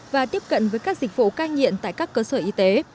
và tiếp cận với các dịch vụ cai nghiện tại các cơ sở y tế